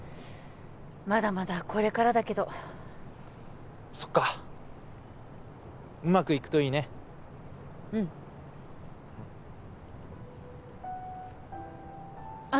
まだまだこれからだけどそっかうまくいくといいねうんうんあっ